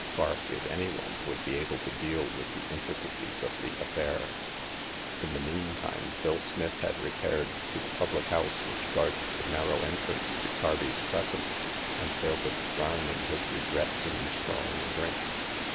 Vark, if any one, would be able to deal with the intricacies of the affair. In the meantime. Bill Smith had repaired to the public house which guarded the narrow en trance to Carby's Crescent, and there was drown ing his regrets in strong drink.